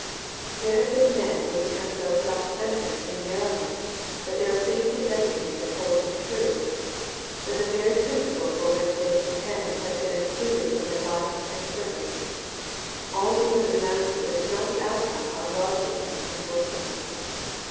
There have been men who have become so self centred in a narrowness that they are pleased to designate as holding the truth, that the very principle for which they contend has been excluded from their life and service. All zeal for the Master that is not the outcome of love to Him is worthless.